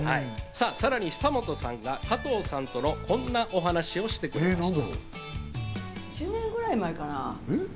さらに久本さんが加藤さんとのこんなお話をしてくれました。